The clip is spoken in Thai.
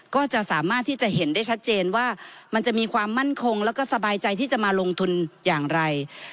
ก็จะสามารถที่จะเห็นได้ชัดเจนว่ามันจะมีความมั่นคงแล้วก็สบายใจที่จะมาลงทุนอย่างไร